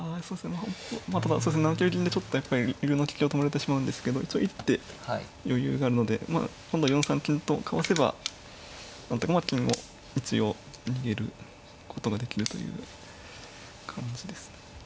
まあ本譜ただ７九銀でちょっとやっぱり竜の利きを止められてしまうんですけど一手余裕があるので今度４三金とかわせば金を一応逃げることができるという感じでしたね。